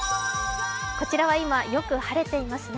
こちらは今よく晴れていますね。